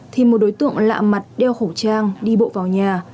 thì một đối tượng lạ mặt đeo khẩu trang đi bộ vào nhà